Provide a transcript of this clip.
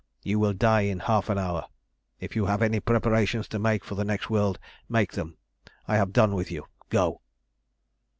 You will die in half an hour. If you have any preparations to make for the next world, make them. I have done with you. Go!"